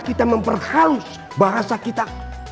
kita memperhaus bahasa kita